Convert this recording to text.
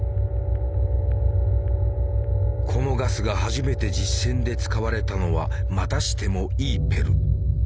このガスが初めて実戦で使われたのはまたしてもイーペル。